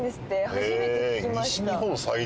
初めて聞きました。